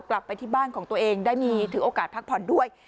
กลับไปที่บ้านของตัวเองได้มีถือโอกาสพักผ่อนด้วย